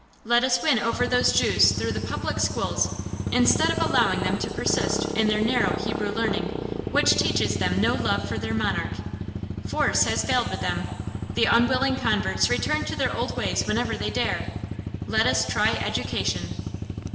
Let us win over those Jews through the public schools, instead of allowing them to persist in their narrow Hebrew learning, which teaches them no love for their monarch. Force has failed with them; the unwilling converts return to their old ways whenever they dare. Let us try education."